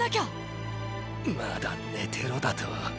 まだ寝てろだと？